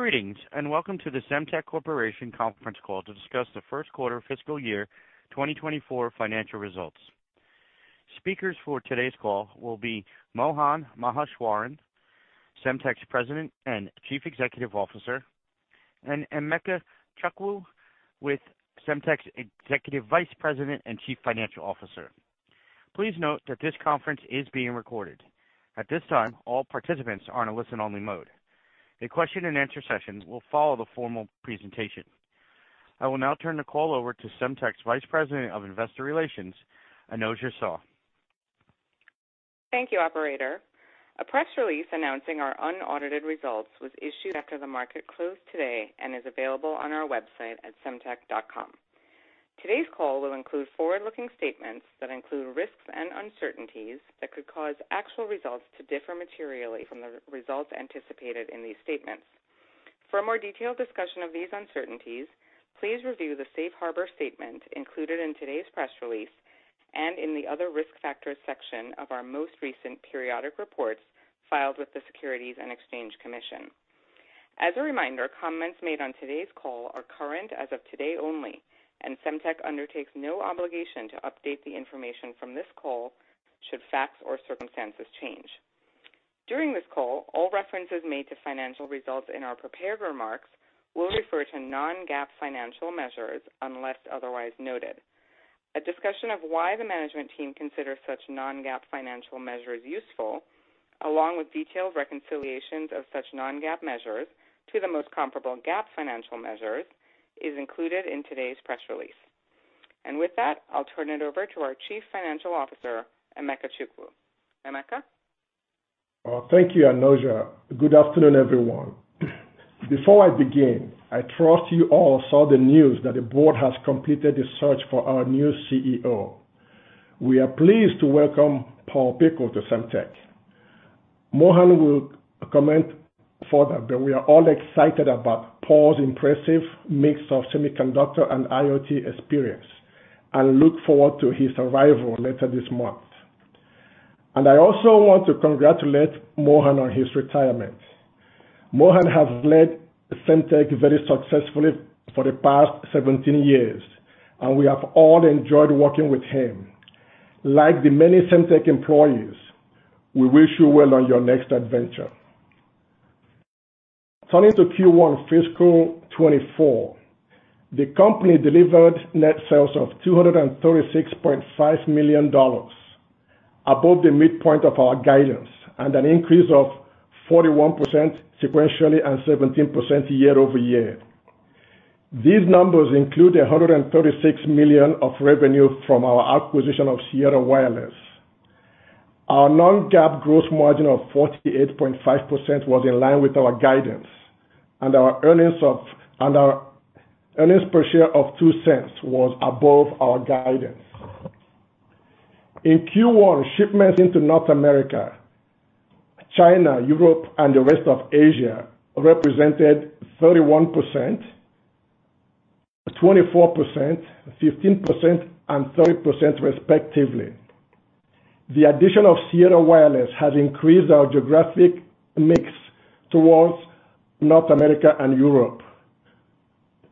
Greetings, welcome to the Semtech Corporation conference call to discuss the first quarter fiscal year 2024 financial results. Speakers for today's call will be Mohan Maheswaran, Semtech's President and Chief Executive Officer, and Emeka Chukwu, with Semtech's Executive Vice President and Chief Financial Officer. Please note that this conference is being recorded. At this time, all participants are in a listen-only mode. A question and answer session will follow the formal presentation. I will now turn the call over to Semtech's Vice President of Investor Relations, Anojja Shah. Thank you, operator. A press release announcing our unaudited results was issued after the market closed today and is available on our website at Semtech.com. Today's call will include forward-looking statements that include risks and uncertainties that could cause actual results to differ materially from the results anticipated in these statements. For a more detailed discussion of these uncertainties, please review the safe harbor statement included in today's press release and in the Other Risk Factors section of our most recent periodic reports filed with the Securities and Exchange Commission. As a reminder, comments made on today's call are current as of today only. Semtech undertakes no obligation to update the information from this call should facts or circumstances change. During this call, all references made to financial results in our prepared remarks will refer to non-GAAP financial measures, unless otherwise noted. A discussion of why the management team considers such non-GAAP financial measures useful, along with detailed reconciliations of such non-GAAP measures to the most comparable GAAP financial measures, is included in today's press release. With that, I'll turn it over to our Chief Financial Officer, Emeka Chukwu. Emeka? Thank you, An ojja. Good afternoon, everyone. Before I begin, I trust you all saw the news that the board has completed the search for our new CEO. We are pleased to welcome Paul Pickle to Semtech. Mohan will comment further, but we are all excited about Paul's impressive mix of semiconductor and IoT experience, and look forward to his arrival later this month. I also want to congratulate Mohan on his retirement. Mohan has led Semtech very successfully for the past 17 years, and we have all enjoyed working with him. Like the many Semtech employees, we wish you well on your next adventure. Turning to Q1 fiscal 2024. The company delivered net sales of $236.5 million, above the midpoint of our guidance, and an increase of 41% sequentially and 17% year-over-year. These numbers include $136 million of revenue from our acquisition of Sierra Wireless. Our non-GAAP gross margin of 48.5% was in line with our guidance, and our earnings per share of $0.02 was above our guidance. In Q1, shipments into North America, China, Europe, and the rest of Asia represented 31%, 24%, 15%, and 30%, respectively. The addition of Sierra Wireless has increased our geographic mix towards North America and Europe.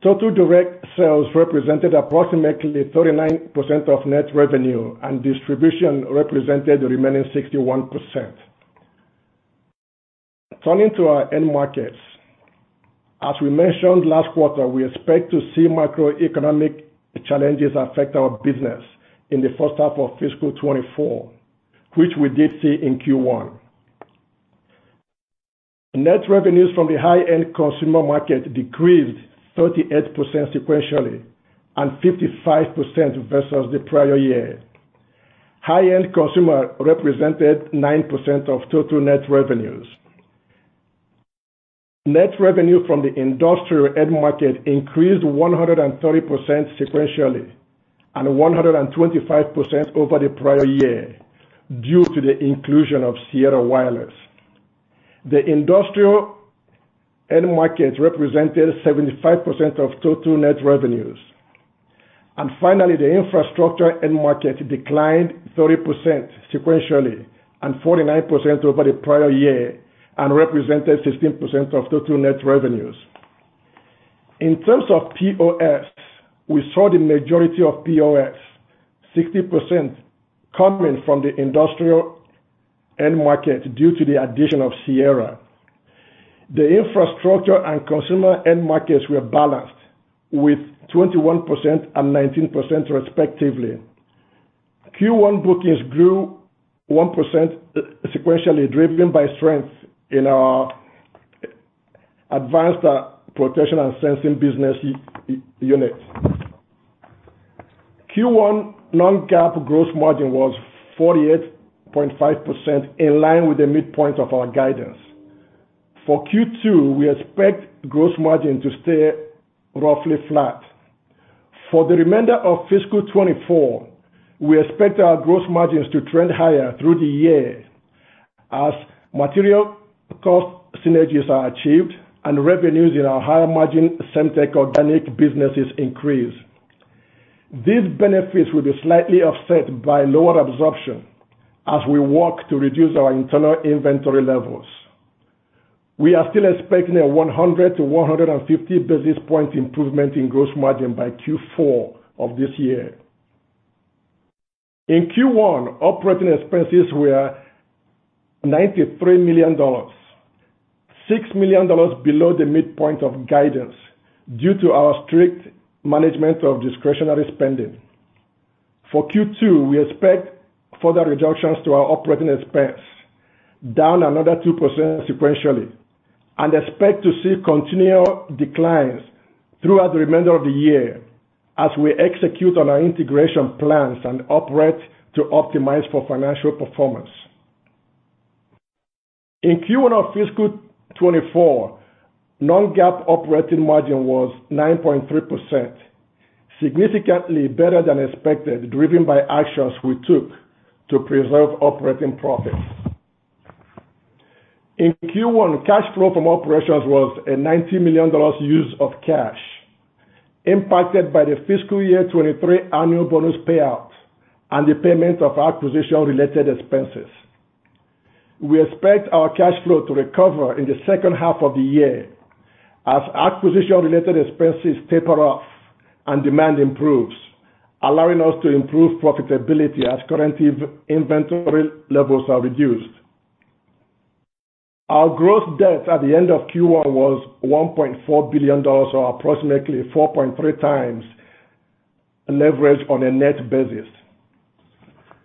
Total direct sales represented approximately 39% of net revenue, and distribution represented the remaining 61%. Turning to our end markets. As we mentioned last quarter, we expect to see macroeconomic challenges affect our business in the first half of fiscal 2024, which we did see in Q1. Net revenues from the high-end consumer market decreased 38% sequentially and 55% versus the prior year. High-end consumer represented 9% of total net revenues. Net revenue from the industrial end market increased 130% sequentially and 125% over the prior year, due to the inclusion of Sierra Wireless. The industrial end market represented 75% of total net revenues. Finally, the infrastructure end market declined 30% sequentially and 49% over the prior year and represented 16% of total net revenues. In terms of POS, we saw the majority of POS, 60%, coming from the industrial end market due to the addition of Sierra. The infrastructure and consumer end markets were balanced with 21% and 19%, respectively. Q1 bookings grew 1%, sequentially, driven by strength in our advanced protection and sensing business unit. Q1 non-GAAP gross margin was 48.5%, in line with the midpoint of our guidance. For Q2, we expect gross margin to stay roughly flat. For the remainder of fiscal 2024, we expect our gross margins to trend higher through the year as material cost synergies are achieved and revenues in our higher-margin Semtech organic businesses increase. These benefits will be slightly offset by lower absorption as we work to reduce our internal inventory levels. We are still expecting a 100-150 basis point improvement in gross margin by Q4 of this year. In Q1, operating expenses were $93 million, $6 million below the midpoint of guidance, due to our strict management of discretionary spending. For Q2, we expect further reductions to our OpEx, down another 2% sequentially, and expect to see continued declines throughout the remainder of the year as we execute on our integration plans and operate to optimize for financial performance. In Q1 of fiscal 2024, non-GAAP operating margin was 9.3%, significantly better than expected, driven by actions we took to preserve operating profits. In Q1, cash flow from operations was a $90 million use of cash, impacted by the fiscal year 2023 annual bonus payout and the payment of acquisition-related expenses. We expect our cash flow to recover in the second half of the year as acquisition-related expenses taper off and demand improves, allowing us to improve profitability as current inventory levels are reduced. Our gross debt at the end of Q1 was $1.4 billion, or approximately 4.3x leverage on a net basis.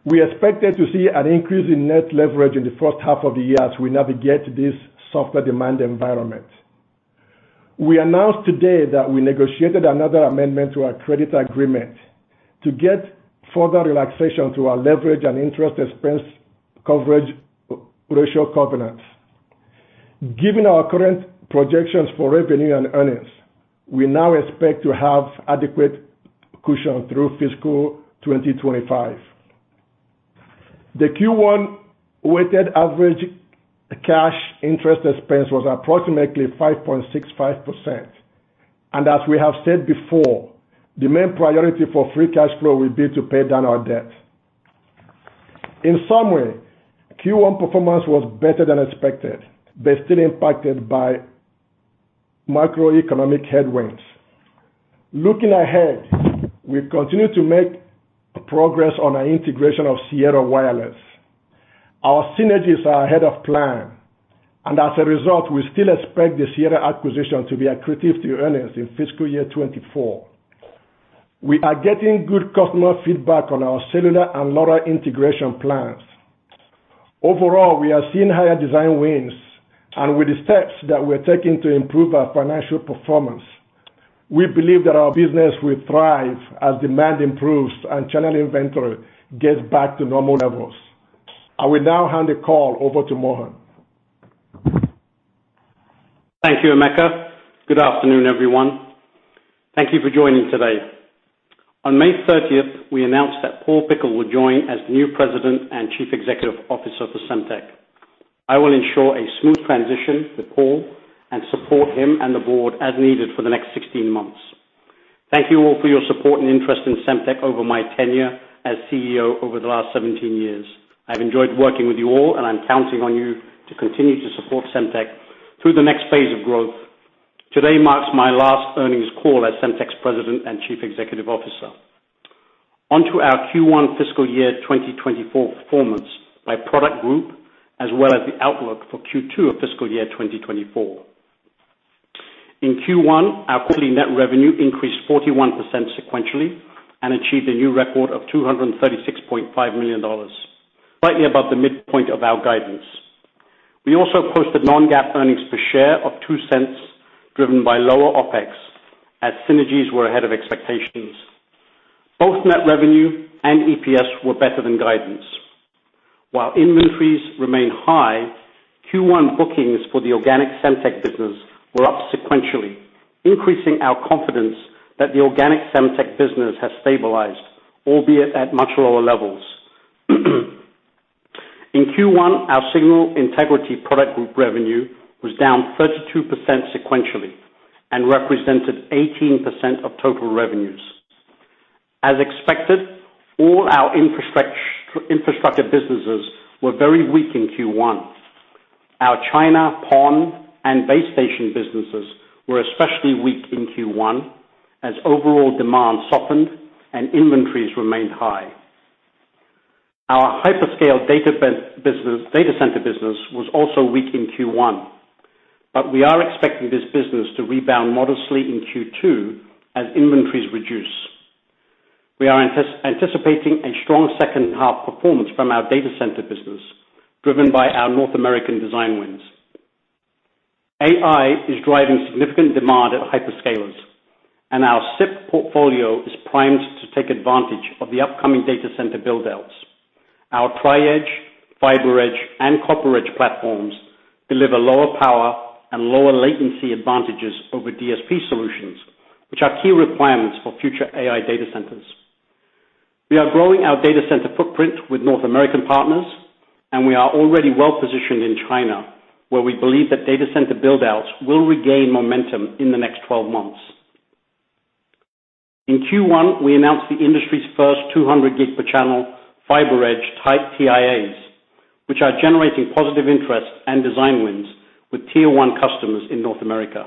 We expected to see an increase in net leverage in the first half of the year as we navigate this softer demand environment. We announced today that we negotiated another amendment to our credit agreement to get further relaxation to our leverage and interest expense coverage ratio covenants. Given our current projections for revenue and earnings, we now expect to have adequate cushion through fiscal 2025. The Q1 weighted average cash interest expense was approximately 5.65%, and as we have said before, the main priority for free cash flow will be to pay down our debt. In summary, Q1 performance was better than expected, but still impacted by macroeconomic headwinds. Looking ahead, we've continued to make progress on our integration of Sierra Wireless. Our synergies are ahead of plan; as a result, we still expect the Sierra acquisition to be accretive to earnings in fiscal year 2024. We are getting good customer feedback on our cellular and LoRa integration plans. Overall, we are seeing higher design wins, and with the steps that we're taking to improve our financial performance, we believe that our business will thrive as demand improves and channel inventory gets back to normal levels. I will now hand the call over to Mohan. Thank you, Emeka. Good afternoon, everyone. Thank you for joining today. On May 30th, we announced that Paul Pickle will join as the new President and Chief Executive Officer for Semtech. I will ensure a smooth transition with Paul and support him and the board as needed for the next 16 months. Thank you all for your support and interest in Semtech over my tenure as CEO over the last 17 years. I've enjoyed working with you all, and I'm counting on you to continue to support Semtech through the next phase of growth. Today marks my last earnings call as Semtech's President and Chief Executive Officer. On to our Q1 fiscal year 2024 performance by product group, as well as the outlook for Q2 of fiscal year 2024. In Q1, our quarterly net revenue increased 41% sequentially and achieved a new record of $236.5 million, slightly above the midpoint of our guidance. We also posted non-GAAP earnings per share of $0.02, driven by lower OpEx, as synergies were ahead of expectations. Both net revenue and EPS were better than guidance. While inventories remain high, Q1 bookings for the organic Semtech business were up sequentially, increasing our confidence that the organic Semtech business has stabilized, albeit at much lower levels. In Q1, our signal integrity product group revenue was down 32% sequentially and represented 18% of total revenues. As expected, all our infrastructure businesses were very weak in Q1. Our China, PON, and base station businesses were especially weak in Q1 as overall demand softened and inventories remained high. Our hyperscale data center business was also weak in Q1, but we are expecting this business to rebound modestly in Q2 as inventories reduce. We are anticipating a strong second-half performance from our data center business, driven by our North American design wins. AI is driving significant demand at hyperscalers, and our SIP portfolio is primed to take advantage of the upcoming data center build-outs. Our Tri-Edge, FiberEdge, and CopperEdge platforms deliver lower power and lower latency advantages over DSP solutions, which are key requirements for future AI data centers. We are growing our data center footprint with North American partners, and we are already well-positioned in China, where we believe that data center build-outs will regain momentum in the next 12 months. In Q1, we announced the industry's first 200 gig per channel, FiberEdge-type TIAs, which are generating positive interest and design wins with tier one customers in North America.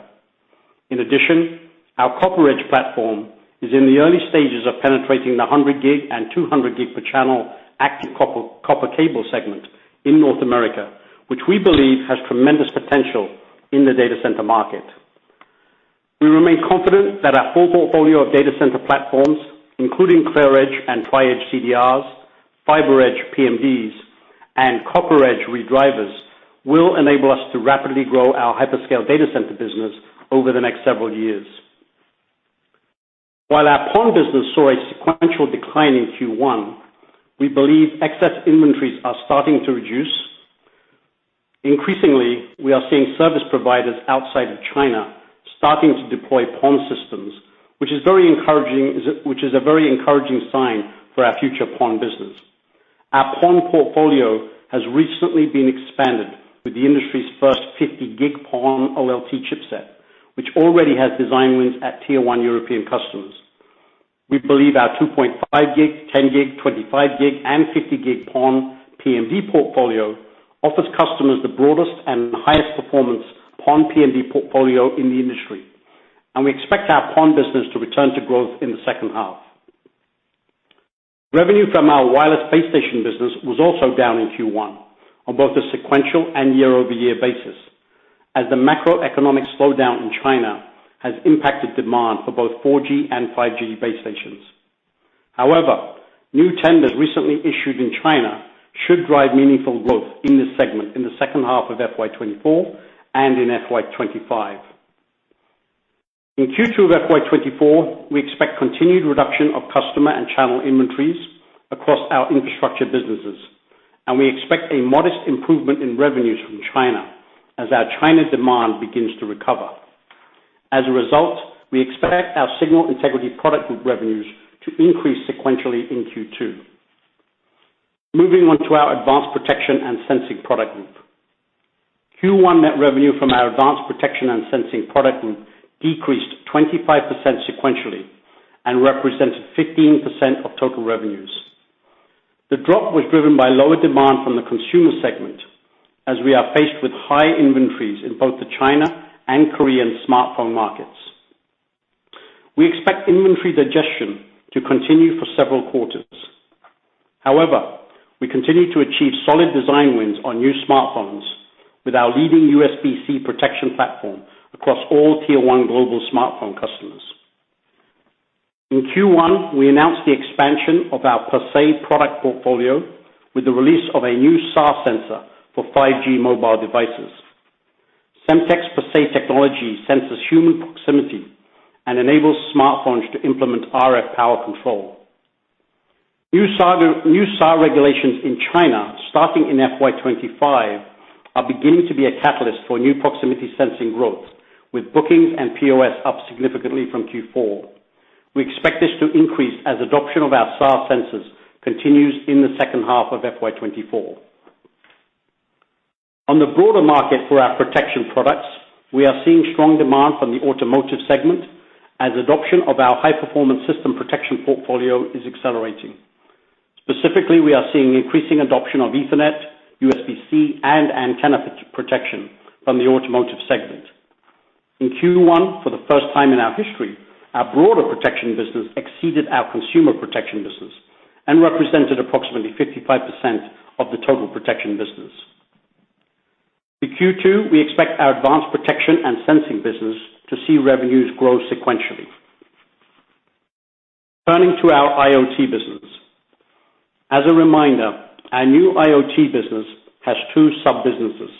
Our CopperEdge platform is in the early stages of penetrating the 100 gig and 200 gig per channel active copper cable segment in North America, which we believe has tremendous potential in the data center market. We remain confident that our full portfolio of data center platforms, including ClearEdge and FiberEdge CDRs, FiberEdge PMDs, and CopperEdge redrivers, will enable us to rapidly grow our hyperscale data center business over the next several years. While our PON business saw a sequential decline in Q1, we believe excess inventories are starting to reduce. Increasingly, we are seeing service providers outside of China starting to deploy PON systems, which is very encouraging, which is a very encouraging sign for our future PON business. Our PON portfolio has recently been expanded with the industry's first 50-Gig PON OLT chipset, which already has design wins at tier one European customers. We believe our 2.5 gig, 10 gig, 25 gig, and 50 gig PON PMD portfolio offers customers the broadest and highest performance PON PMD portfolio in the industry, and we expect our PON business to return to growth in the second half. Revenue from our wireless base station business was also down in Q1 on both a sequential and year-over-year basis, as the macroeconomic slowdown in China has impacted demand for both 4G and 5G base stations. However, new tenders recently issued in China should drive meaningful growth in this segment in the second half of FY 2024 and in FY 2025. In Q2 of FY 2024, we expect continued reduction of customer and channel inventories across our infrastructure businesses, and we expect a modest improvement in revenues from China as our China demand begins to recover. As a result, we expect our signal integrity product group revenues to increase sequentially in Q2. Moving on to our advanced protection and sensing product group. Q1 net revenue from our advanced protection and sensing product group decreased 25% sequentially and represented 15% of total revenues. The drop was driven by lower demand from the consumer segment, as we are faced with high inventories in both the China and Korean smartphone markets. We expect inventory digestion to continue for several quarters. We continue to achieve solid design wins on new smartphones with our leading USB-C protection platform across all Tier 1 global smartphone customers. In Q1, we announced the expansion of our PerSe product portfolio with the release of a new SAR sensor for 5G mobile devices. Semtech's PerSe technology senses human proximity and enables smartphones to implement RF power control. New SAR regulations in China, starting in FY 2025, are beginning to be a catalyst for new proximity sensing growth, with bookings and POS up significantly from Q4. We expect this to increase as adoption of our SAR sensors continues in the second half of FY 2024. The broader market for our protection products, we are seeing strong demand from the automotive segment as adoption of our high-performance system protection portfolio is accelerating. Specifically, we are seeing increasing adoption of Ethernet, USB-C, and antenna protection from the automotive segment. In Q1, for the first time in our history, our broader protection business exceeded our consumer protection business and represented approximately 55% of the total protection business. In Q2, we expect our advanced protection and sensing business to see revenues grow sequentially. Turning to our IoT business. As a reminder, our new IoT business has two sub-businesses.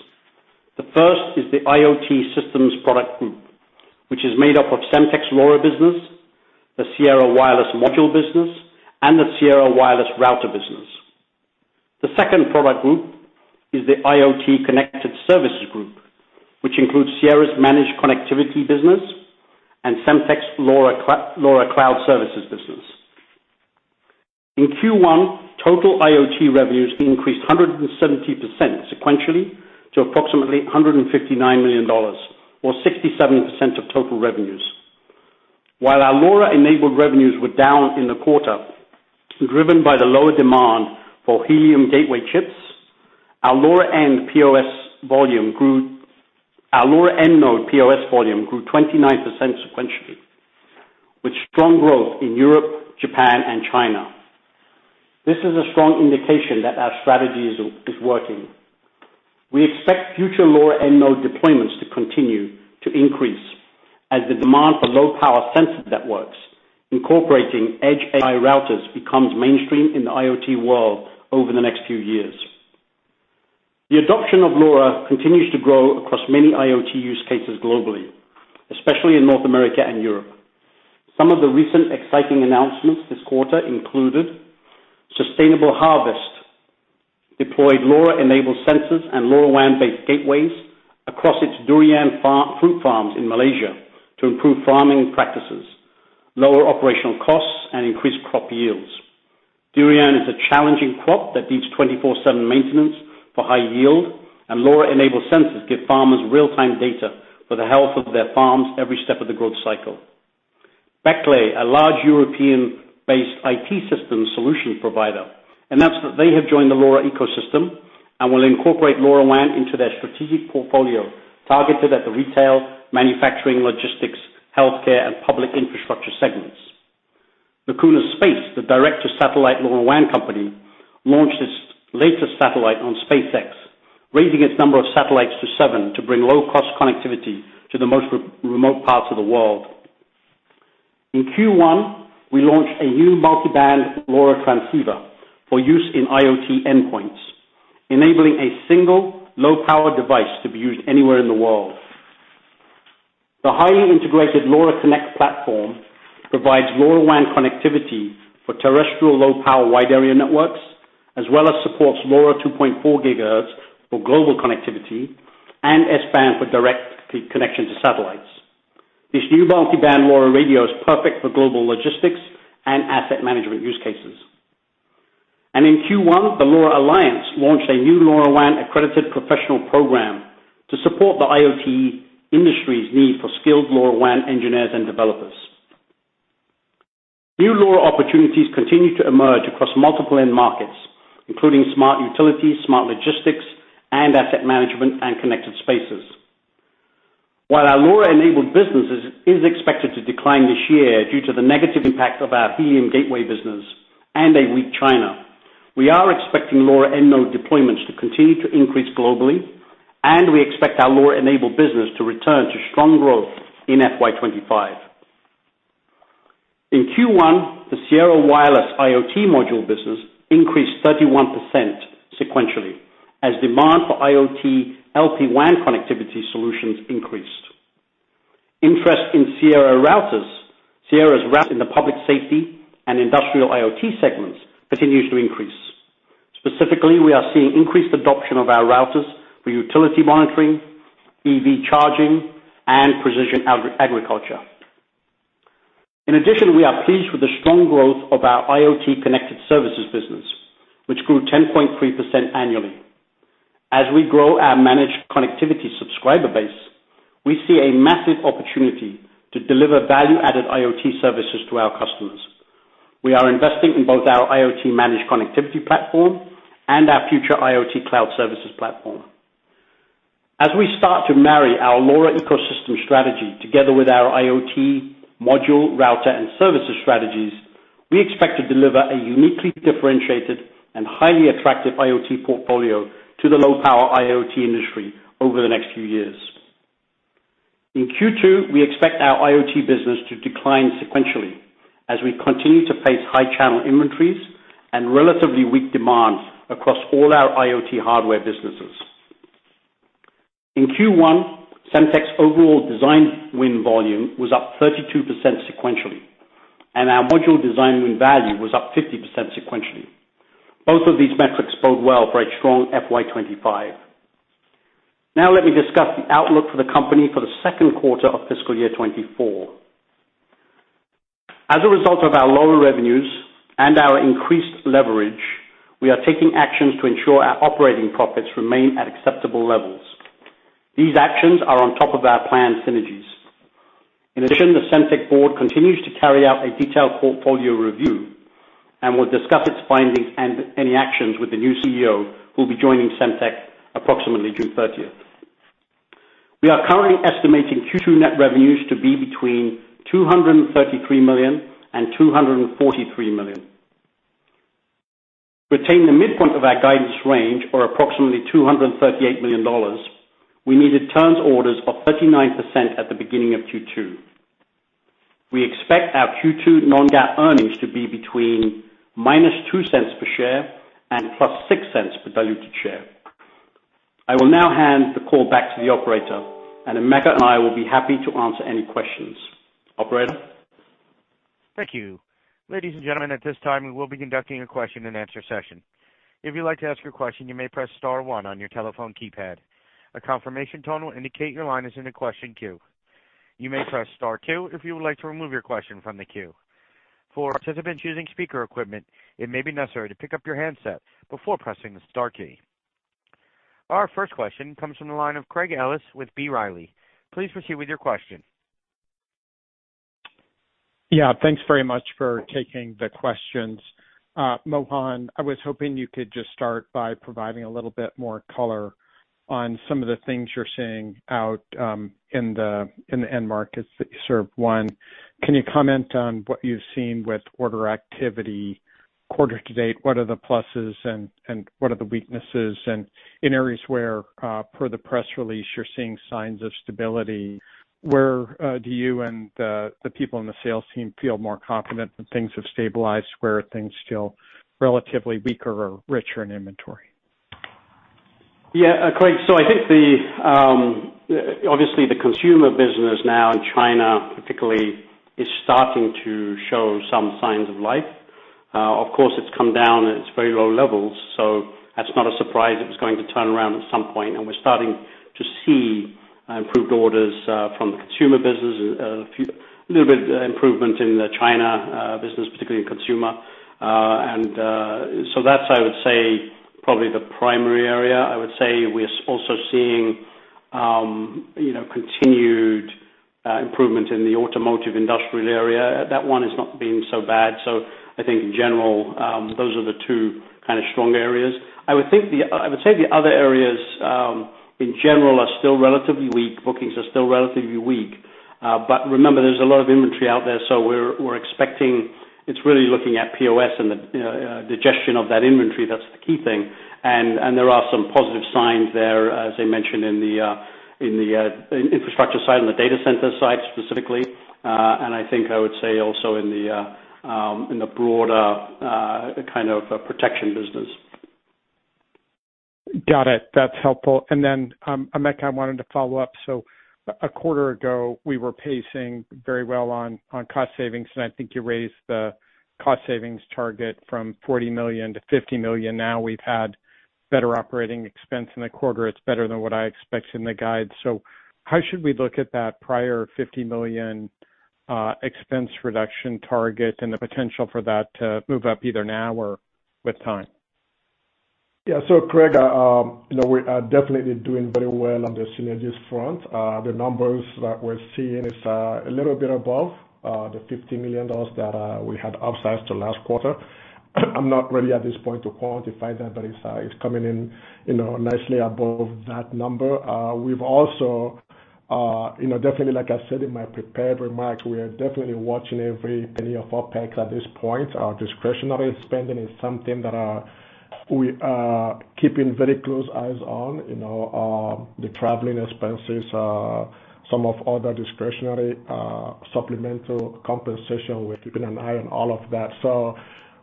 The first is the IoT systems product group, which is made up of Semtech's LoRa business, the Sierra Wireless Module business, and the Sierra Wireless Router business. The second product group is the IoT Connected Services group, which includes Sierra's Managed Connectivity business and Semtech's LoRa Cloud Services business. In Q1, total IoT revenues increased 170% sequentially to approximately $159 million or 67% of total revenues. While our LoRa-enabled revenues were down in the quarter, driven by the lower demand for Helium gateway chips, our LoRa end node POS volume grew 29% sequentially, with strong growth in Europe, Japan, and China. This is a strong indication that our strategy is working. We expect future LoRa end node deployments to continue to increase as the demand for low-power sensor networks incorporating edge AI routers becomes mainstream in the IoT world over the next few years. The adoption of LoRa continues to grow across many IoT use cases globally, especially in North America and Europe. Some of the recent exciting announcements this quarter included Sustainable Harvest deployed LoRa-enabled sensors and LoRaWAN-based gateways across its durian farm, fruit farms in Malaysia to improve farming practices, lower operational costs, and increase crop yields. Durian is a challenging crop that needs 24/7 maintenance for high yield. LoRa-enabled sensors give farmers real-time data for the health of their farms every step of the growth cycle. Bechtle, a large European-based IT system solution provider, announced that they have joined the LoRa ecosystem and will incorporate LoRaWAN into their strategic portfolio, targeted at the retail, manufacturing, logistics, healthcare, and public infrastructure segments. Lacuna Space, the direct-to-satellite LoRaWAN company, launched its latest satellite on SpaceX, raising its number of satellites to 7 to bring low-cost connectivity to the most remote parts of the world. In Q1, we launched a new multi-band LoRa transceiver for use in IoT endpoints, enabling a single low-power device to be used anywhere in the world. The highly integrated LoRa Connect platform provides LoRaWAN connectivity for terrestrial low-power wide-area networks, as well as supports LoRa 2.4 GHz for global connectivity and S-band for direct connection to satellites. This new multi-band LoRa radio is perfect for global logistics and asset management use cases. In Q1, the LoRa Alliance launched a new LoRaWAN accredited professional program to support the IoT industry's need for skilled LoRaWAN engineers and developers. New LoRa opportunities continue to emerge across multiple end markets, including smart utilities, smart logistics, and asset management and connected spaces. Our LoRa-enabled businesses is expected to decline this year due to the negative impact of our BM gateway business and a weak China. We are expecting LoRa end node deployments to continue to increase globally, and we expect our LoRa-enabled business to return to strong growth in FY 2025. In Q1, the Sierra Wireless IoT module business increased 31% sequentially, as demand for IoT LPWAN connectivity solutions increased. Interest in Sierra routers, Sierra's wrap in the public safety and industrial IoT segments continues to increase. Specifically, we are seeing increased adoption of our routers for utility monitoring, EV charging, and precision agriculture. In addition, we are pleased with the strong growth of our IoT-connected services business, which grew 10.3% annually. As we grow our managed connectivity subscriber base, we see a massive opportunity to deliver value-added IoT services to our customers. We are investing in both our IoT managed connectivity platform and our future IoT cloud services platform. As we start to marry our LoRa ecosystem strategy together with our IoT module, router, and services strategies, we expect to deliver a uniquely differentiated and highly attractive IoT portfolio to the low-power IoT industry over the next few years. In Q2, we expect our IoT business to decline sequentially as we continue to face high channel inventories and relatively weak demand across all our IoT hardware businesses. In Q1, Semtech's overall design win volume was up 32% sequentially, and our module design win value was up 50% sequentially. Both of these metrics bode well for a strong FY 2025. Now, let me discuss the outlook for the company for the second quarter of fiscal year 2024. As a result of our lower revenues and our increased leverage, we are taking actions to ensure our operating profits remain at acceptable levels. These actions are on top of our planned synergies. In addition, the Semtech board continues to carry out a detailed portfolio review and will discuss its findings and any actions with the new CEO, who will be joining Semtech approximately June 30th. We are currently estimating Q2 net revenues to be between $233 million and $243 million. To attain the midpoint of our guidance range, or approximately $238 million, we needed turns orders of 39% at the beginning of Q2. We expect our Q2 non-GAAP earnings to be between -$0.02 per share and +$0.06 per diluted share. I will now hand the call back to the operator, and Emeka and I will be happy to answer any questions. Operator? Thank you. Ladies and gentlemen, at this time, we will be conducting a question-and-answer session. If you'd like to ask a question, you may press star one on your telephone keypad. A confirmation tone will indicate your line is in the question queue. You may press star two if you would like to remove your question from the queue. For participants using speaker equipment, it may be necessary to pick up your handset before pressing the star key. Our first question comes from the line of Craig Ellis with B. Riley. Please proceed with your question. Thanks very much for taking the questions. Mohan, I was hoping you could just start by providing a little bit more color on some of the things you're seeing out in the end markets that you serve. One, can you comment on what you've seen with order activity quarter to date? What are the pluses and what are the weaknesses? In areas where per the press release, you're seeing signs of stability, where do you and the people on the sales team feel more confident that things have stabilized? Where are things still relatively weaker or richer in inventory? Craig, I think the obviously the consumer business now in China particularly, is starting to show some signs of life. Of course, it's come down at its very low levels; that's not a surprise. It was going to turn around at some point; we're starting to see improved orders from the consumer business. A little bit improvement in the China business, particularly in consumer. That's, I would say, probably the primary area. I would say we are also seeing, you know, continued improvement in the automotive industrial area. That one has not been so bad. I think in general, those are the two kind of strong areas. I would say the other areas, in general, are still relatively weak. Bookings are still relatively weak. Remember, there's a lot of inventory out there, so we're expecting. It's really looking at POS and the digestion of that inventory. That's the key thing. There are some positive signs there, as I mentioned, in the infrastructure side, in the data center side, specifically, and I think I would say also in the broader kind of protection business. Got it. That's helpful. Emeka, I wanted to follow up. A quarter ago, we were pacing very well on cost savings, and I think you raised the cost savings target from $40 million to $50 million. We've had better operating expense in the quarter. It's better than what I expected in the guide. How should we look at that prior $50 million expense reduction target and the potential for that to move up either now or with time? Craig, you know, we are definitely doing very well on the synergies front. The numbers that we're seeing is a little bit above the $50 million that we had upsized to last quarter. I'm not ready at this point to quantify that, but it's coming in, you know, nicely above that number. We've also, you know, definitely, like I said in my prepared remarks, we are definitely watching every penny of OpEx at this point. Our discretionary spending is something that we are keeping very close eyes on, you know, the travelling expenses, some of other discretionary, supplemental compensation. We're keeping an eye on all of that.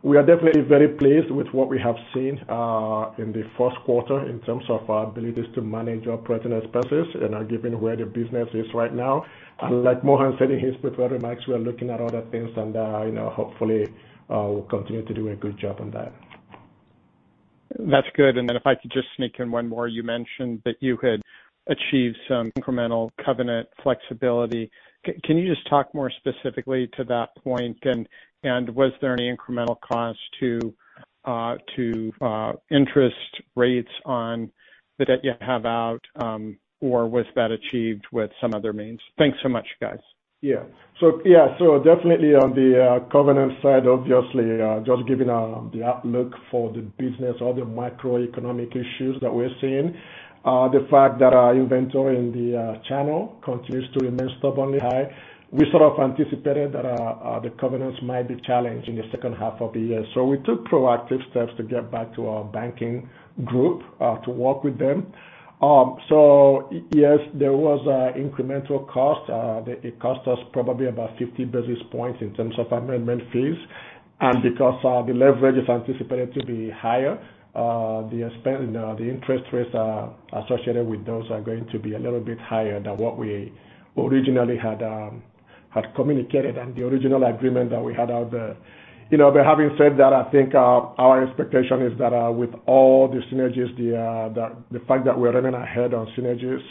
We are definitely very pleased with what we have seen in the first quarter in terms of our abilities to manage our operating expenses and, given where the business is right now. Like Mohan said in his prepared remarks, we are looking at other things, you know, hopefully, we'll continue to do a good job on that. That's good. Then if I could just sneak in one more. You mentioned that you had achieved some incremental covenant flexibility. Can you just talk more specifically to that point? Was there any incremental cost to interest rates on the debt you have out, or was that achieved with some other means? Thanks so much, guys. Yeah. Yeah, so definitely on the covenant side, obviously, just given the outlook for the business or the macroeconomic issues that we're seeing, the fact that our inventory in the channel continues to remain stubbornly high, we sort of anticipated that the covenants might be challenged in the second half of the year. We took proactive steps to get back to our banking group to work with them. Yes, there was an incremental cost. It cost us probably about 50 basis points in terms of amendment fees. Because the leverage is anticipated to be higher, the expense, the interest rates are associated with those are going to be a little bit higher than what we originally had communicated, and the original agreement that we had out there. You know, having said that, I think, our expectation is that, with all the synergies, the fact that we're running ahead on synergies,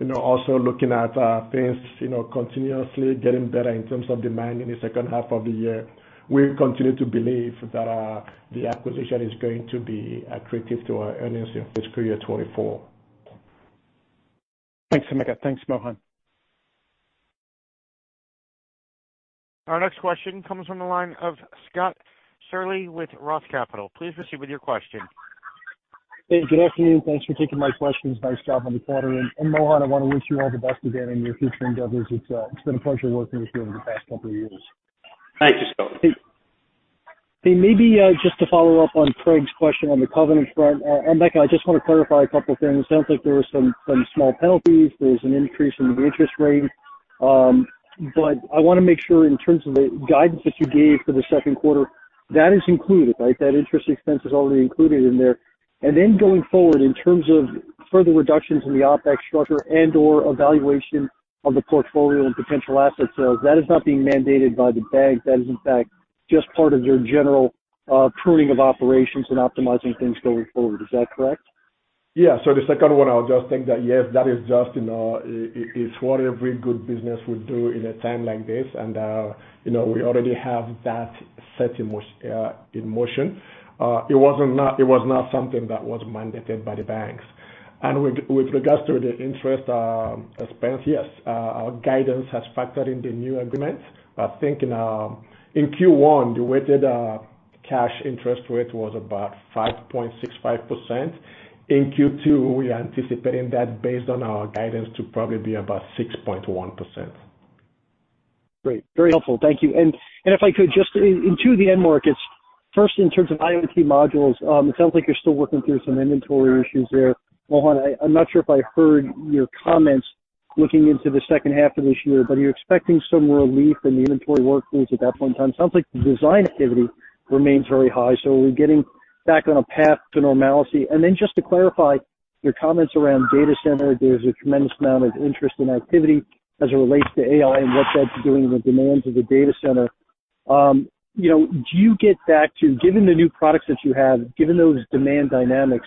you know, also looking at, things, you know, continuously getting better in terms of demand in the second half of the year, we continue to believe that, the acquisition is going to be accretive to our earnings in fiscal year 24. Thanks, Emeka. Thanks, Mohan. Our next question comes from the line of Scott Searle with Roth Capital Partners. Please proceed with your question. Hey, good afternoon. Thanks for taking my questions. Nice job on the quarter. Mohan, I want to wish you all the best again in your future endeavors. It's been a pleasure working with you over the past couple of years. Thank you, Scott. Hey, maybe, just to follow up on Craig's question on the covenant front, and Emeka, I just want to clarify a couple of things. It sounds like there were some small penalties. There's an increase in the interest rate, but I want to make sure in terms of the guidance that you gave for the second quarter, that is included, right? That interest expense is already included in there. Going forward, in terms of further reductions in the OpEx structure and/or evaluation of the portfolio and potential asset sales, that is not being mandated by the bank. That is, in fact, just part of your general pruning of operations and optimizing things going forward. Is that correct? Yeah. The second one, I'll just take that. Yes, that is just, you know, it's what every good business would do in a time like this. You know, we already have that set in motion. It was not something that was mandated by the banks. With regards to the interest expense, yes, our guidance has factored in the new agreement. I think in Q1, the weighted cash interest rate was about 5.65%. In Q2, we are anticipating that, based on our guidance, to probably be about 6.1%. Great, very helpful. Thank you. If I could just into the end markets, first, in terms of IoT modules, it sounds like you're still working through some inventory issues there. Mohan, I'm not sure if I heard your comments, looking into the second half of this year, but you're expecting some relief in the inventory workloads at that point in time. Sounds like the design activity remains very high, so are we getting back on a path to normalcy? Just to clarify your comments around data center, there's a tremendous amount of interest and activity as it relates to AI and what that's doing with demands of the data center. You know, do you get back given the new products that you have, given those demand dynamics,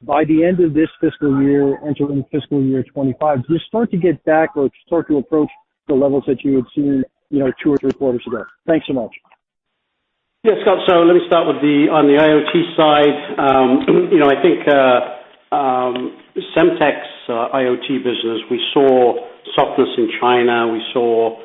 by the end of this fiscal year, entering fiscal year 25, do you start to get back or start to approach the levels that you had seen, you know, two or three quarters ago? Thanks so much. Yeah, Scott, let me start with the, on the IoT side. You know, I think Semtech's IoT business, we saw softness in China. We saw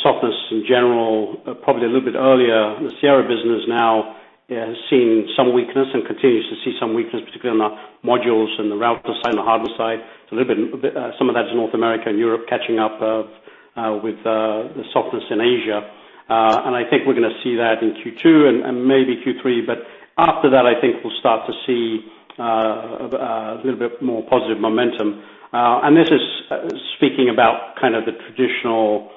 softness in general, probably a little bit earlier. The Sierra business now has seen some weakness and continues to see some weakness, particularly on the modules and the router side and the hardware side. A little bit, some of that is North America and Europe catching up with the softness in Asia. I think we're gonna see that in Q2 and maybe Q3, but after that, I think we'll start to see a little bit more positive momentum. This is speaking about kind of the traditional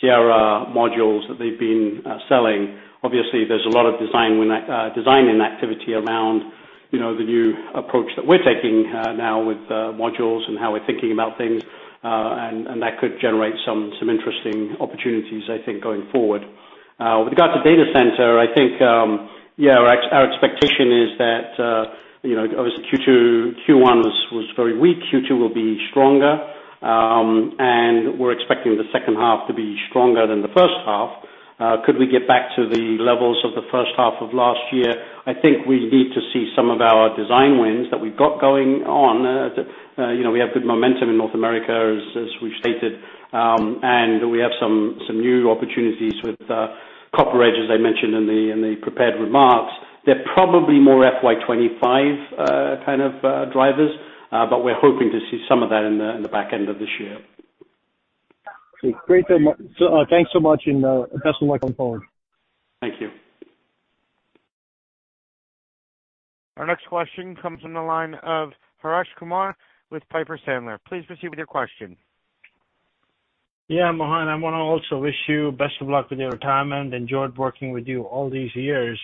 Sierra modules that they've been selling. Obviously, there's a lot of design win, design and activity around, you know, the new approach that we're taking, now with modules and how we're thinking about things, and that could generate some interesting opportunities, I think, going forward. With regards to data center, I think our expectation is that, you know, obviously Q2... Q1 was very weak. Q2 will be stronger, and we're expecting the second half to be stronger than the first half. Could we get back to the levels of the first half of last year? I think we need to see some of our design wins that we've got going on. You know, we have good momentum in North America, as we've stated, and we have some new opportunities with CopperEdge, as I mentioned in the prepared remarks. They're probably more FY 2025 kind of drivers, but we're hoping to see some of that in the back end of this year. Great. Thanks so much, and best of luck going forward. Thank you. Our next question comes from the line of Harsh Kumar with Piper Sandler. Please proceed with your question. Yeah, Mohan, I want to also wish you best of luck with your retirement. I, enjoyed working with you all these years.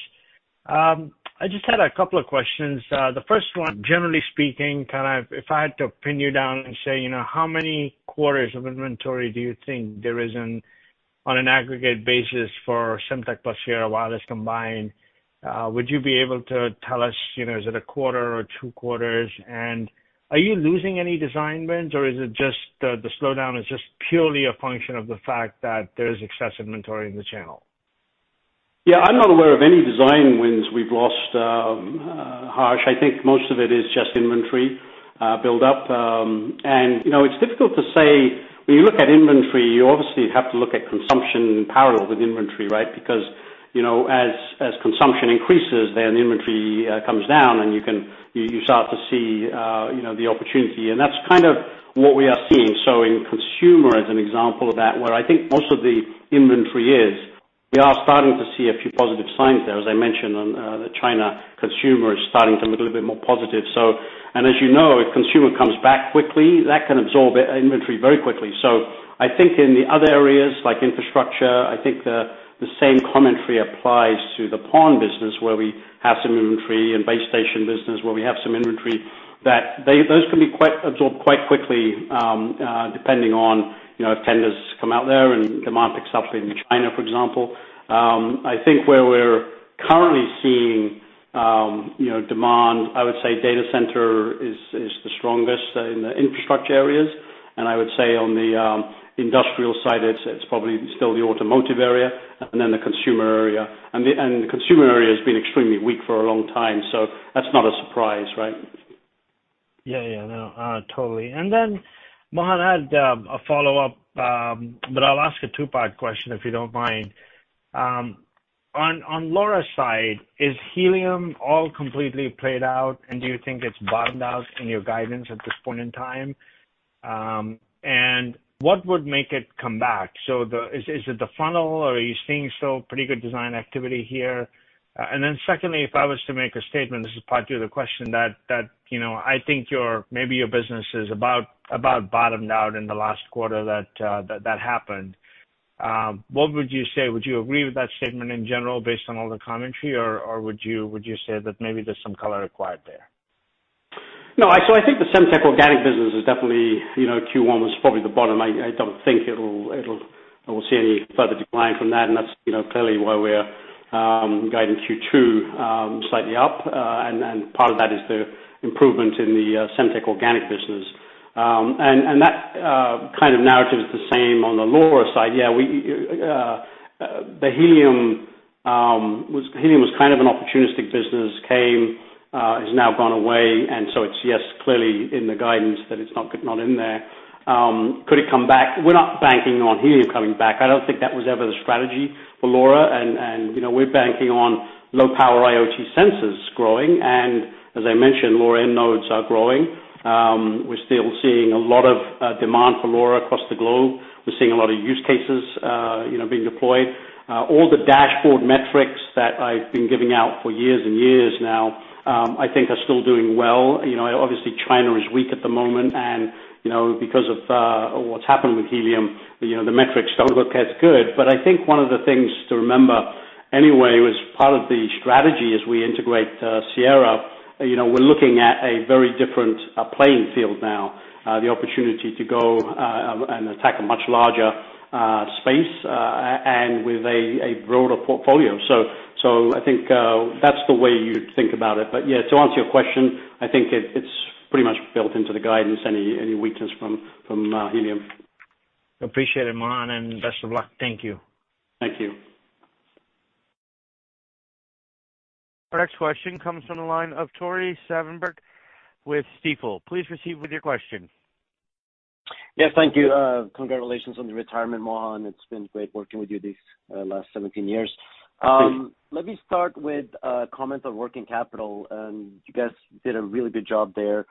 I just had a couple of questions. The first one, generally speaking, kind of if I had to pin you down and say, you know, how many quarters of inventory do you think there is in, on an aggregate basis for Semtech plus Sierra Wireless combined, would you be able to tell us, you know, is it a quarter or two quarters? Are you losing any design wins, or is it just, the slowdown is just purely a function of the fact that there is excess inventory in the channel? Yeah, I'm not aware of any design wins we've lost, Harsh. I think most of it is just inventory build-up. You know, it's difficult to say. When you look at inventory, you obviously have to look at consumption in parallel with inventory, right? You know, as consumption increases, then the inventory comes down and you start to see, you know, the opportunity, and that's kind of what we are seeing. In consumer, as an example of that, where I think most of the inventory is, we are starting to see a few positive signs there. As I mentioned on, the China consumer is starting to look a little bit more positive. As you know, if consumer comes back quickly, that can absorb inventory very quickly. I think in the other areas, like infrastructure, I think the same commentary applies to the PON business, where we have some inventory, and base station business, where we have some inventory, that those can be quite absorbed quite quickly, depending on, you know, if tenders come out there and demand picks up in China, for example. I think where we're currently seeing, you know, demand, I would say data center is the strongest in the infrastructure areas, and I would say on the industrial side, it's probably still the automotive area and then the consumer area. The consumer area has been extremely weak for a long time; that's not a surprise, right? Yeah, yeah. No, totally. Then, Mohan, I had a follow-up, but I'll ask a two-part question, if you don't mind. On on LoRa side, is Helium all completely played out, and do you think it's bottomed out in your guidance at this point in time? What would make it come back? Is it the funnel, or are you seeing still pretty good design activity here? Then secondly, if I was to make a statement, this is part two of the question, that, you know, I think your, maybe your business is about bottomed out in the last quarter that happened. What would you say? Would you agree with that statement in general, based on all the commentary, or would you say that maybe there's some color required there? So I think the Semtech organic business is definitely, you know, Q1 was probably the bottom. I don't think it will see any further decline from that, and that's, you know, clearly why we're guiding Q2 slightly up. And part of that is the improvement in the Semtech organic business. And that kind of narrative is the same on the LoRa side. We the Helium, was kind of an opportunistic business, came has now gone away, it's, yes, clearly in the guidance that it's not in there. Could it come back? We're not banking on Helium coming back. I don't think that was ever the strategy for LoRa, and, you know, we're banking on low-power IoT sensors growing, and as I mentioned, LoRa end nodes are growing. We're still seeing a lot of demand for LoRa. We're seeing a lot of use cases, you know, being deployed. All the dashboard metrics that I've been giving out for years and years now, I think are still doing well. You know, obviously, China is weak at the moment, and, you know, because of what's happened with Helium, you know, the metrics don't look as good. I think one of the things to remember, anyway, was part of the strategy as we integrate Sierra, you know, we're looking at a very different playing field now. The opportunity to go and attack a much larger space and with a broader portfolio. So I think that's the way you'd think about it. But yeah, to answer your question, I think it's pretty much built into the guidance, any weakness from Helium. Appreciate it, Mohan, and best of luck. Thank you. Thank you. Our next question comes from the line of Tore Svanberg with Stifel. Please proceed with your question. Yes, thank you. Congratulations on the retirement, Mohan. It's been great working with you these, last 17 years. Thank you. Let me start with a comment on working capital. You guys did a really good job there.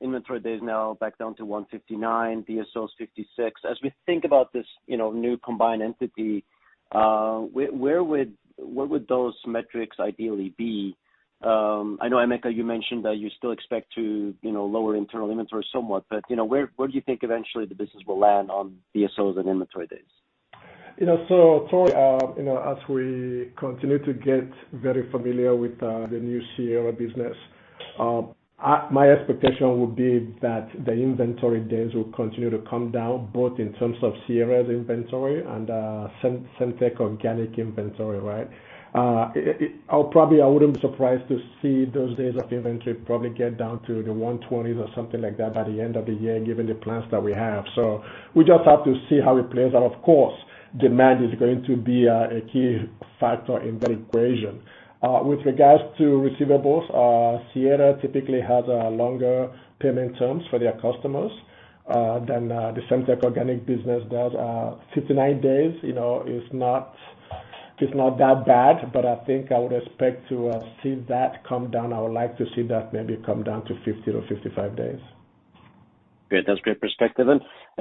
Inventory days now back down to 159, DSOs 56. As we think about this, you know, new combined entity, where would those metrics ideally be? I know, Emeka, you mentioned that you still expect to, you know, lower internal inventory somewhat, but, you know, where do you think eventually the business will land on DSOs and inventory days? You know, so Tore, you know, as we continue to get very familiar with the new Sierra business, my expectation would be that the inventory days will continue to come down, both in terms of Sierra's inventory and Semtech organic inventory, right? I wouldn't be surprised to see those days of inventory probably get down to the 120s or something like that by the end of the year, given the plans that we have. We just have to see how it plays out. Of course, demand is going to be a key factor in that equation. With regards to receivables, Sierra typically has longer payment terms for their customers than the Semtech organic business does. 59 days, you know, is not that bad. I think I would expect to see that come down. I would like to see that maybe come down to 50-55 days. Great. That's great perspective.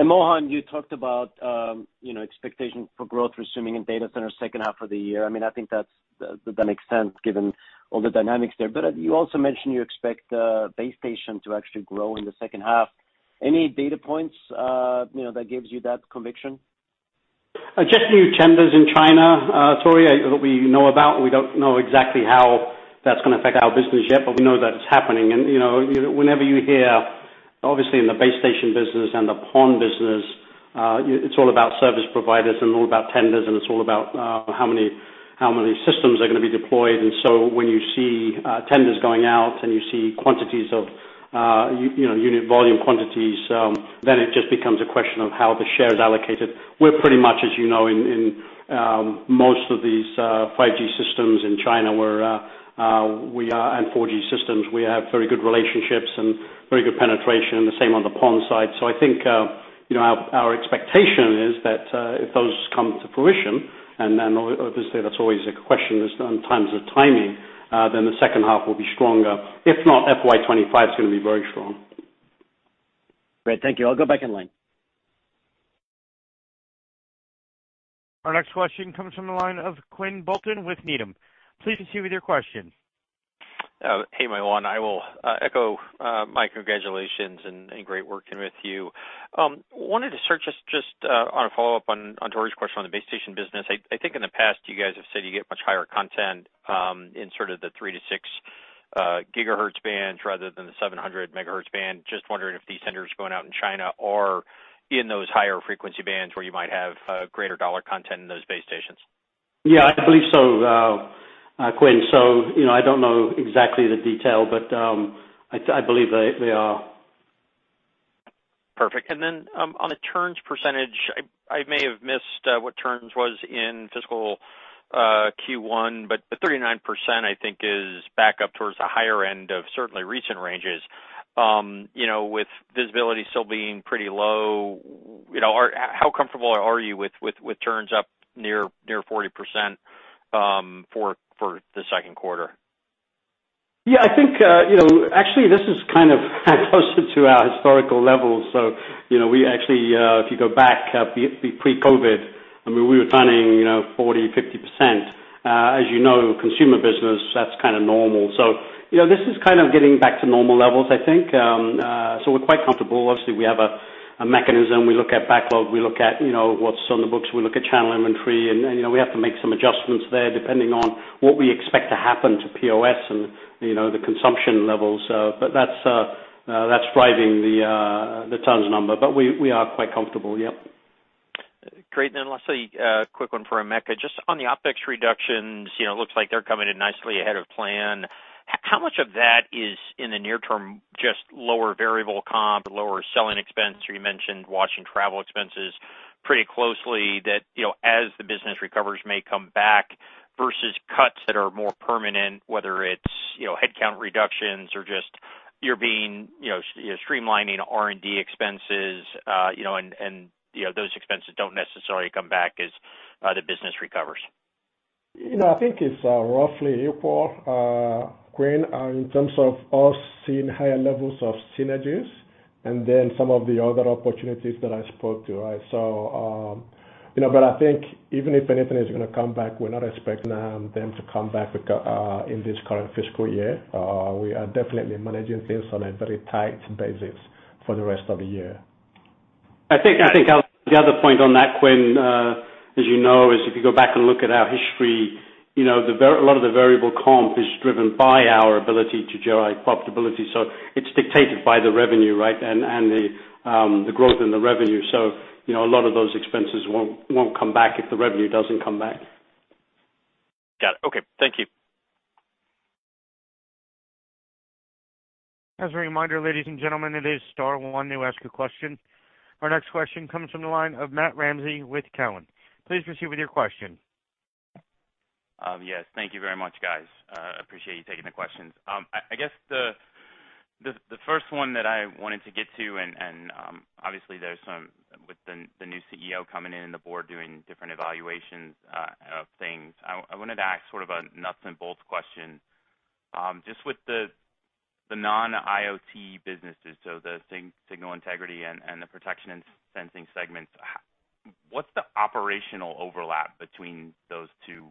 Mohan, you talked about, you know, expectation for growth resuming in data center second half of the year. I mean, I think that makes sense given all the dynamics there. You also mentioned you expect base station to actually grow in the second half. Any data points, you know, that gives you that conviction? Just new tenders in China, Tore, that we know about. We don't know exactly how that's gonna affect our business yet, but we know that it's happening. You know, whenever you hear, obviously, in the base station business and the PON business, it's all about service providers, and all about tenders, and it's all about how many systems are gonna be deployed. When you see tenders going out and you see quantities of, you know, unit volume quantities, then it just becomes a question of how the share is allocated. We're pretty much, as you know, in most of these 5G systems in China, where we are and 4G systems, we have very good relationships and very good penetration, and the same on the PON side. I think, you know, our expectation is that, if those come to fruition, and then obviously, that's always a question is in terms of timing, then the second half will be stronger. If not, FY 25 is gonna be very strong. Great. Thank you. I'll go back in line. Our next question comes from the line of Quinn Bolton with Needham. Please proceed with your question. will echo my congratulations and great working with you. I wanted to start just on a follow-up on Tore's question on the base station business. I think in the past, you guys have said you get much higher content in sort of the 3-6 gigahertz bands rather than the 700 megahertz band. Just wondering if these tenders going out in China are in those higher frequency bands where you might have greater dollar content in those base stations. I believe so, Quinn. You know, I don't know exactly the detail, but I believe they are. Perfect. On the turns percentage, I may have missed what turns was in fiscal Q1, but the 39%, I think, is back up towards the higher end of certainly recent ranges. You know, with visibility still being pretty low, you know, how comfortable are you with turns up near 40% for the second quarter? Yeah, I think, you know, actually, this is kind of closer to our historical levels. You know, we actually, if you go back, pre-COVID, I mean, we were planning, you know, 40%, 50%. As you know, consumer business, that's kind of normal. You know, this is kind of getting back to normal levels, I think. We're quite comfortable. Obviously, we have a mechanism. We look at backlog, we look at, you know, what's on the books, we look at channel inventory, and, you know, we have to make some adjustments there, depending on what we expect to happen to POS and, you know, the consumption levels. That's driving the turns number, but we are quite comfortable. Yep. Great. Lastly, quick one for Emeka. Just on the OpEx reductions, you know, looks like they're coming in nicely ahead of plan. How much of that is in the near term, just lower variable comp, lower selling expense? You mentioned watching travel expenses pretty closely, that, you know, as the business recovers, may come back versus cuts that are more permanent, whether it's, you know, headcount reductions or just you're being, you know, streamlining R&D expenses, you know, and, you know, those expenses don't necessarily come back as the business recovers.... You know, I think it's roughly equal, Quinn, in terms of us seeing higher levels of synergies and then some of the other opportunities that I spoke to, right? You know, but I think even if anything is gonna come back, we're not expecting them to come back, in this current fiscal year. We are definitely managing things on a very tight basis for the rest of the year. I think the other point on that, Quinn, as you know, is if you go back and look at our history, you know, a lot of the variable comp is driven by our ability to generate profitability. It's dictated by the revenue, right, and the growth in the revenue. You know, a lot of those expenses won't come back if the revenue doesn't come back. Got it. Okay. Thank you. As a reminder, ladies and gentlemen, it is star one to ask a question. Our next question comes from the line of Matt Ramsay with Cowen. Please proceed with your question. Yes, thank you very much, guys. Appreciate you taking the questions. I guess the first one that I wanted to get to and, obviously, there's some with the new CEO coming in, and the board doing different evaluations of things. I wanted to ask sort of a nuts and bolts question. Just with the non-IoT businesses, so the signal integrity and the protection and sensing segments, what's the operational overlap between those two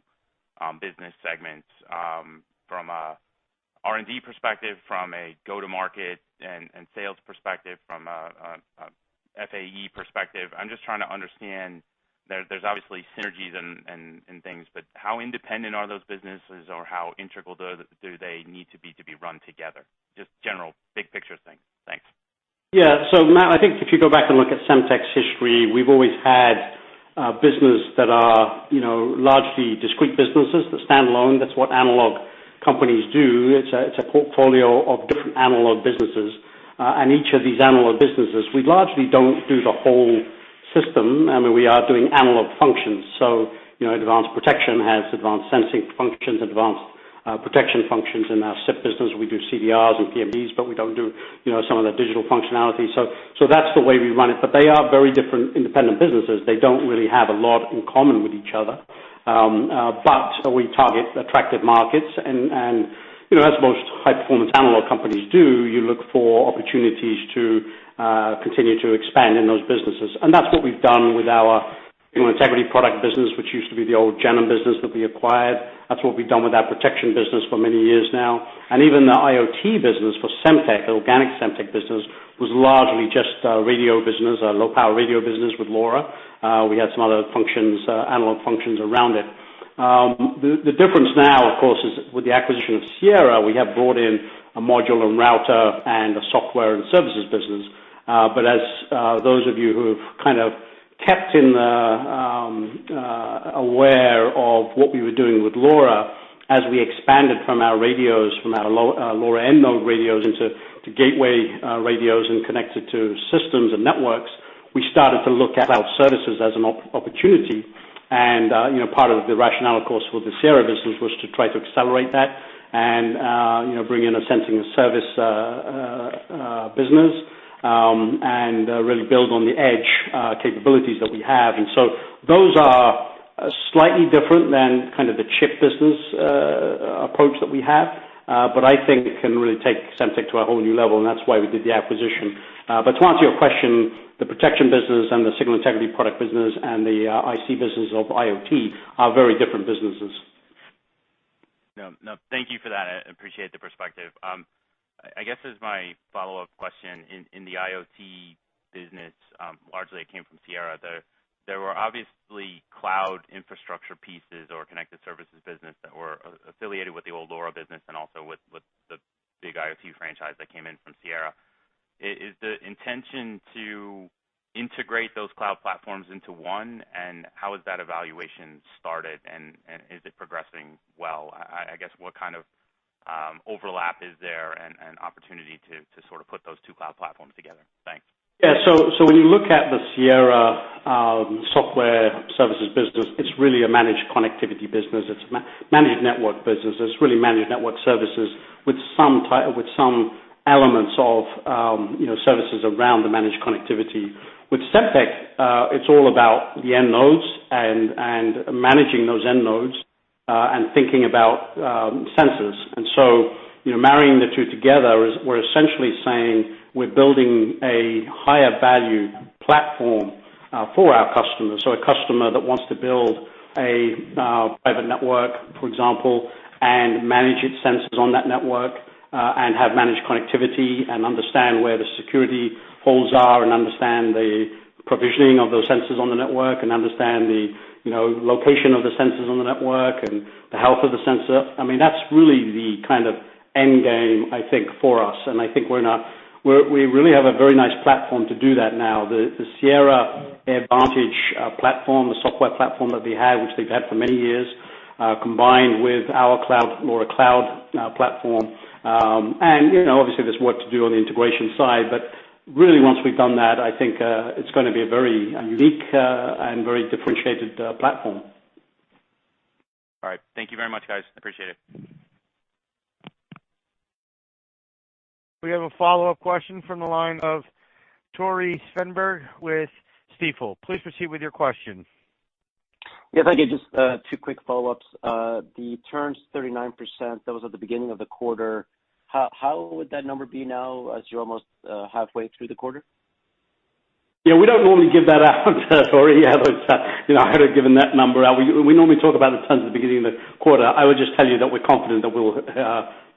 business segments, from a R&D perspective, from a go-to-market and sales perspective, from a FAE perspective? I'm just trying to understand there's obviously synergies and things, but how independent are those businesses or how integral do they need to be to be run together? Just general big picture things. Thanks. Yeah. Matt, I think if you go back and look at Semtech's history, we've always had business that are, you know, largely discrete businesses, the standalone. That's what analog companies do. It's a, it's a portfolio of different analogue businesses. Each of these analog businesses, we largely don't do the whole system. I mean, we are doing analogue functions. You know, advanced protection has advanced sensing functions, advanced protection functions. In our SIP business, we do CDRs and PMDs; we don't do, you know, some of the digital functionality. That's the way we run it. They are very different independent businesses. They don't really have a lot in common with each other. We target attractive markets and, you know, as most high-performance analogue companies do, you look for opportunities to continue to expand in those businesses. That's what we've done with our, you know, integrity product business, which used to be the old Gennum business that we acquired. That's what we've done with our protection business for many years now. Even the IoT business for Semtech, the organic Semtech business, was largely just a radio business, a low-power radio business with LoRa. We had some other functions, analogue functions around it. The difference now, of course, is with the acquisition of Sierra, we have brought in a modular router and a software and services business. As those of you who've kind of kept in the aware of what we were doing with LoRa, as we expanded from our radios, from our LoRa end node radios into gateway radios and connected to systems and networks, we started to look at our services as an opportunity. You know, part of the rationale, of course, for the Sierra business was to try to accelerate that, and you know, bring in a sensing and service business, and really build on the edge capabilities that we have. Those are slightly different than kind of the chip business approach that we have, but I think it can really take Semtech to a whole new level, and that's why we did the acquisition. To answer your question, the protection business, the signal integrity product business and the IC business of IoT are very different businesses. No, no. Thank you for that. I appreciate the perspective. I guess as my follow-up question, in the IoT business, largely it came from Sierra. There were obviously cloud infrastructure pieces or connected services business that were affiliated with the old LoRa business and also with the big IoT franchise that came in from Sierra. Is the intention to integrate those cloud platforms into one, and how has that evaluation started, and is it progressing well? I guess, what kind of overlap is there and opportunity to sort of put those two cloud platforms together? Thanks. Yeah. When you look at the Sierra software services business, it's really a managed connectivity business. It's managed network business. It's really managed network services with some elements of, you know, services around the managed connectivity. With Semtech, it's all about the end nodes and managing those end nodes and thinking about sensors. You know, marrying the two together is we're essentially saying we're building a higher value platform for our customers. A customer that wants to build a private network, for example, and manage its sensors on that network, have managed connectivity, understand where the security holes are, and understand the provisioning of those sensors on the network, and understand the, you know, location of the sensors on the network and the health of the sensor. I mean, that's really the kind of endgame, I think, for us. I think we really have a very nice platform to do that now. The AirVantage platform, the software platform that they had, which they've had for many years, combined with our LoRa Cloud platform. You know, obviously, there's work to do on the integration side, but really, once we've done that, I think, it's gonna be a very unique and very differentiated platform. All right. Thank you very much, guys. Appreciate it. We have a follow-up question from the line of Tore Svanberg with Stifel. Please proceed with your question. Yes, thank you. Just two quick follow-ups. The turns 39%, that was at the beginning of the quarter. How would that number be now, as you're almost halfway through the quarter? We don't normally give that out, Tore. As you know, I had given that number out. We normally talk about the turns at the beginning of the quarter. I would just tell you that we're confident that we'll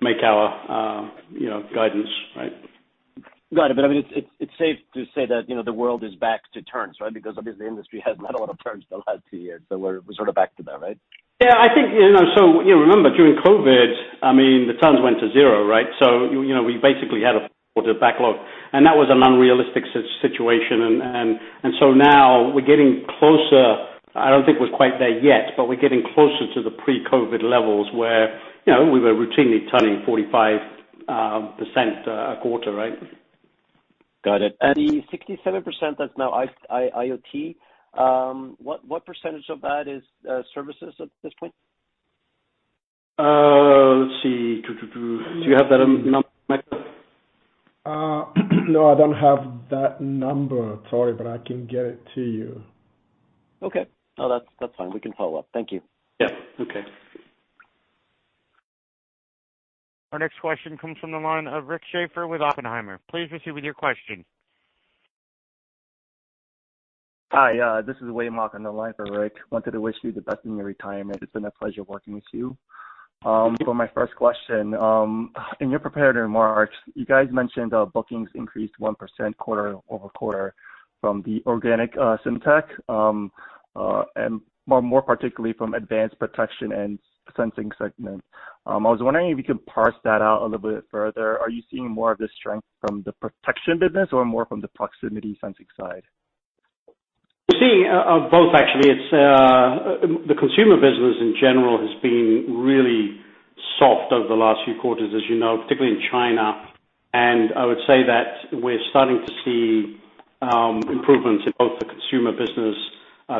make our, you know, guidance, right? Got it. I mean, it's safe to say that, you know, the world is back to turns, right? Obviously, the industry hasn't had a lot of turns the last two years, so we're sort of back to that, right? Yeah, I think, you know, you remember during COVID, I mean, the turns went to 0, right? You know, we basically had a backlog, and that was an unrealistic situation. Now we're getting closer. I don't think we're quite there yet, but we're getting closer to the pre-COVID levels, where, you know, we were routinely turning 45% a quarter, right? Got it. The 67%, that's now IoT. What percentage of that is services at this point? Let's see. Do you have that number, Michael? No, I don't have that number, Tore, but I can get it to you. Okay. No, that's fine. We can follow up. Thank you. Yeah. Okay. Our next question comes from the line of Rick Schafer with Oppenheimer. Please proceed with your question. Hi, this is Wade Mock on the line for Rick. Wanted to wish you the best in your retirement. It's been a pleasure working with you. For my first question, in your prepared remarks, you guys mentioned that bookings increased 1% quarter-over-quarter from the organic Semtech, and more particularly from advanced protection and sensing segment. I was wondering if you could parse that out a little bit further. Are you seeing more of this strength from the protection business or more from the proximity sensing side? We're seeing both actually. It's the consumer business in general has been really soft over the last few quarters, as you know, particularly in China. I would say that we're starting to see improvements in both the consumer business,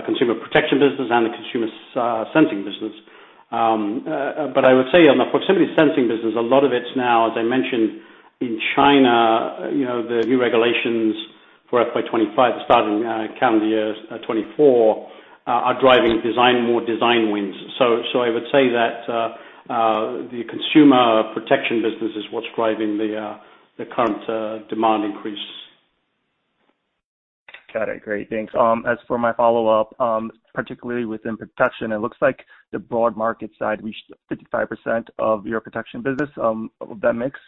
consumer protection business, and the consumer sensing business. I would say on the proximity sensing business, a lot of it's now, as I mentioned, in China, you know, the new regulations for FY 25, starting calendar year 24, are driving more design wins. I would say that the consumer protection business is what's driving the current demand increase. Got it. Great, thanks. As for my follow-up, particularly within protection, it looks like the broad market side reached 55% of your protection business of that mix.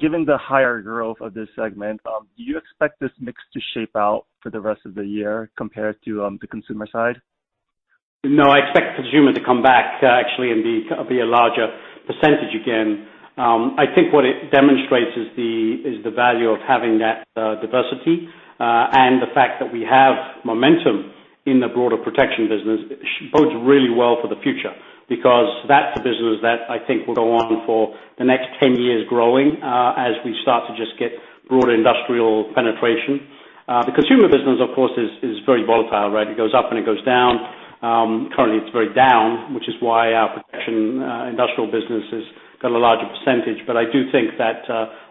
Given the higher growth of this segment, do you expect this mix to shape out for the rest of the year compared to the consumer side? No, I expect consumer to come back, actually and be a larger percentage again. I think what it demonstrates is the value of having that diversity, and the fact that we have momentum in the broader protection business bodes really well for the future, because that's a business that I think will go on for the next 10 years growing, as we start to just get broader industrial penetration. The consumer business, of course, is very volatile, right? It goes up and it goes down. Currently it's very down, which is why our protection, industrial business has got a larger percentage. I do think that,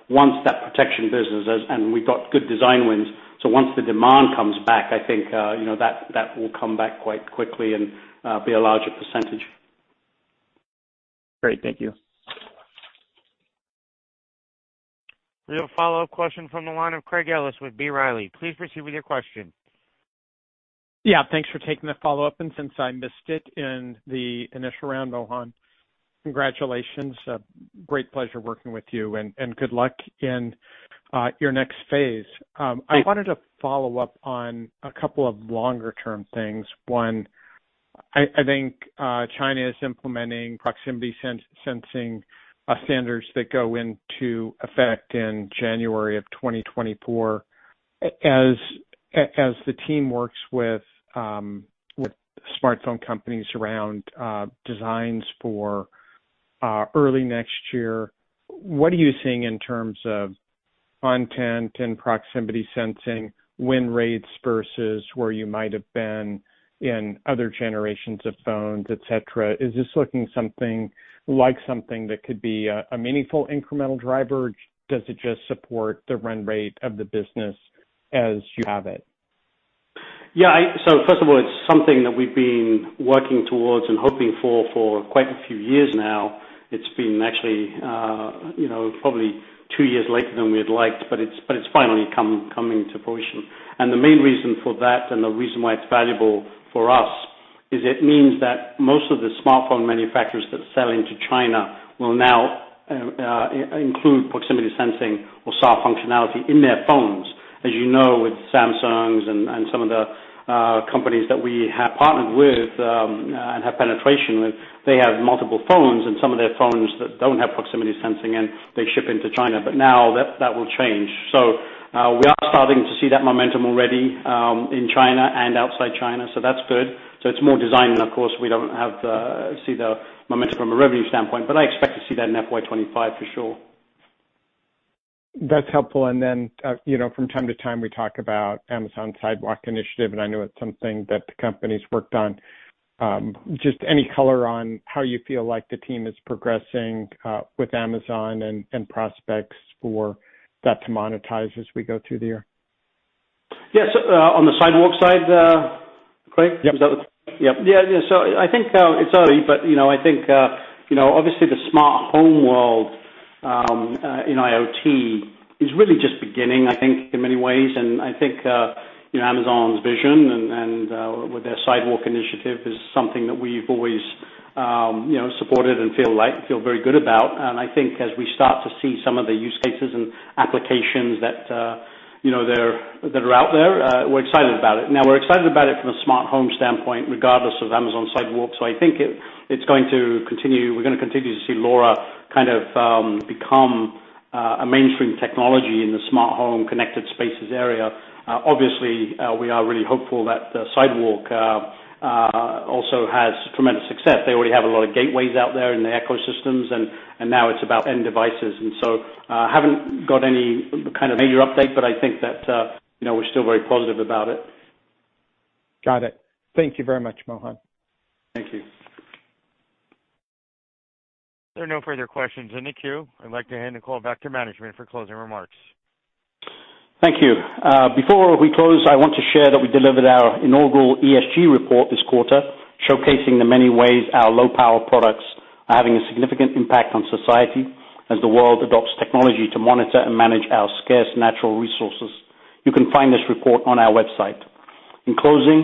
once that protection business, and we've got good design wins, so once the demand comes back, I think, you know, that will come back quite quickly and be a larger percentage. Great. Thank you. We have a follow-up question from the line of Craig Ellis with B. Riley. Please proceed with your question. Thanks for taking the follow-up. Since I missed it in the initial round, Mohan, congratulations. A great pleasure working with you, and good luck in your next phase. I wanted to follow up on a couple of longer-term things. One, I think China is implementing proximity sensing standards that go into effect in January of 2024. As the team works with smartphone companies around designs for early next year, what are you seeing in terms of content and proximity sensing win rates versus where you might have been in other generations of phones, et cetera? Is this looking something like something that could be a meaningful incremental driver, or does it just support the run rate of the business as you have it? Yeah, I First of all, it's something that we've been working towards and hoping for quite a few years now. It's been actually, you know, probably two years later than we'd liked, but it's finally coming to fruition. The main reason for that, and the reason why it's valuable for us, is it means that most of the smartphone manufacturers that sell into China will now include proximity sensing or SAR functionality in their phones. As you know, with Samsungs and some of the companies that we have partnered with and have penetration with, they have multiple phones, and some of their phones that don't have proximity sensing, and they ship into China, but now that will change. We are starting to see that momentum already in China and outside China, so that's good. It's more design, and of course, we don't see the momentum from a revenue standpoint, but I expect to see that in FY 25 for sure. That's helpful. You know, from time to time, we talk about Amazon Sidewalk initiative, and I know it's something that the company's worked on. Just any color on how you feel like the team is progressing with Amazon and prospects for that to monetise as we go through the year? Yes, on the Sidewalk side, Craig? Yep. Yep. Yeah, yeah. I think it's early, but, you know, I think, you know, obviously the smart home world, in IoT is really just beginning, I think, in many ways. I think, you know, Amazon's vision and, with their Sidewalk initiative is something that we've always, you know, supported and feel very good about. I think as we start to see some of the use cases and applications that, you know, they're, that are out there, we're excited about it. Now, we're excited about it from a smart home standpoint, regardless of Amazon Sidewalk. I think we're gonna continue to see LoRa kind of become a mainstream technology in the smart home, connected spaces area. Obviously, we are really hopeful that the Sidewalk also has tremendous success. They already have a lot of gateways out there in their ecosystems, and now it's about end devices. Haven't got any kind of major update, but I think that, you know, we're still very positive about it. Got it. Thank you very much, Mohan. Thank you. There are no further questions in the queue. I'd like to hand the call back to management for closing remarks. Thank you. Before we close, I want to share that we delivered our inaugural ESG report this quarter, showcasing the many ways our low-power products are having a significant impact on society as the world adopts technology to monitor and manage our scarce natural resources. You can find this report on our website. In closing,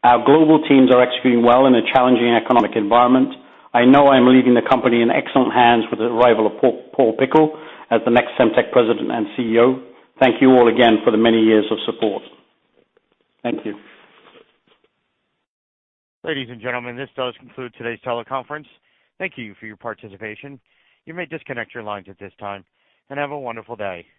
our global teams are executing well in a challenging economic environment. I know I'm leaving the company in excellent hands with the arrival of Paul Pickle as the next Semtech President and CEO. Thank you all again for the many years of support. Thank you. Ladies and gentlemen, this does conclude today's teleconference. Thank you for your participation. You may disconnect your lines at this time. Have a wonderful day.